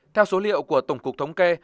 theo số liệu của tổng cục thống kê